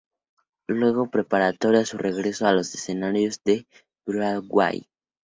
Luego prepararía su regreso a los escenarios de Broadway.